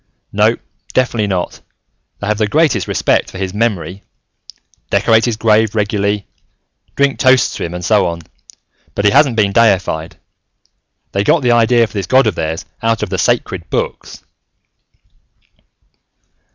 "No, definitely not, though they have the greatest respect for his memory decorate his grave regularly, drink toasts to him, and so on. But he hasn't been deified. They got the idea for this god of theirs out of the Sacred Books."